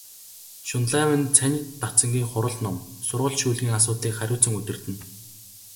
Шунлайв нь цанид дацангийн хурал ном, сургалт шүүлгийн асуудлыг хариуцан удирдана.